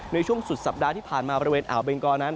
ในช่วงสุดสัปดาห์ที่ผ่านมาบริเวณอ่าวเบงกอนั้น